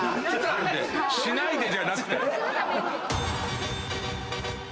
しないでじゃなくて？